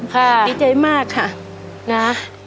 ดีใจมากค่ะนะ